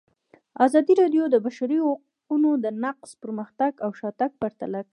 ازادي راډیو د د بشري حقونو نقض پرمختګ او شاتګ پرتله کړی.